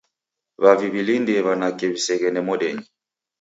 W'avi w'iw'ilindie w'anake w'iseghende modenyi